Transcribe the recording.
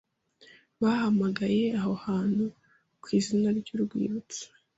bahamagaye aho hantu Ku izina ryurwibutso